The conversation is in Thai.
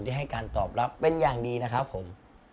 ให้การตอบรับเป็นอย่างดีนะครับผม